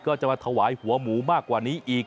ก็จะมาถวายหัวหมูมากกว่านี้อีก